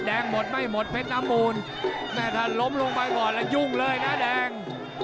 หมดไม่หมดเพชรน้ำมูลแม่ถ้าล้มลงไปก่อนแล้วยุ่งเลยนะแดง